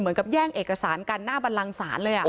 เหมือนกับแย่งเอกสารกันหน้าบันลังศาลเลยอ่ะ